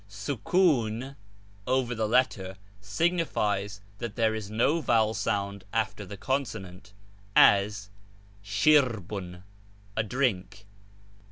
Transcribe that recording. y£«v» (=•) over the letter signifies that there is no vowel sound after the consonant, as tj^i ilirbun, ' a drink.'